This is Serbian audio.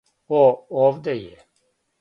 О, овде је.